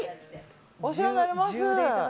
お世話になります。